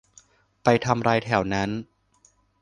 ไปทำไรแถวนั้น